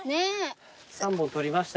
３本採りました。